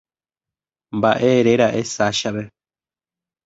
Mba'e eréra'e Sashape.